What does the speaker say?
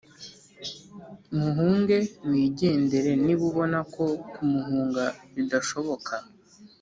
Muhunge wigendere niba ubona ko kumuhunga bidashoboka